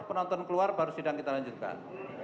penonton keluar baru sidang kita lanjutkan